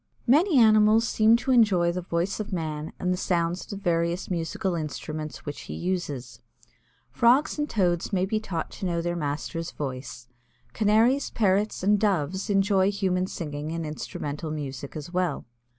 Many animals seem to enjoy the voice of man and the sounds of the various musical instruments which he uses. Frogs and Toads may be taught to know their master's voice. Canaries, Parrots, and Doves enjoy human singing and instrumental music as well.